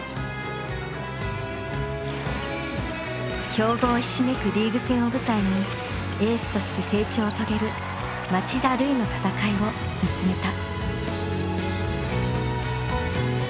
強豪ひしめくリーグ戦を舞台にエースとして成長を遂げる町田瑠唯の闘いを見つめた。